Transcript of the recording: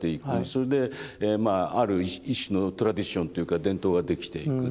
それでまあある一種のトラディションというか伝統が出来ていく。